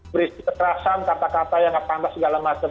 berisi kekerasan kata kata yang apa apa segala macem